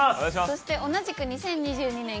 そして同じく２０２２年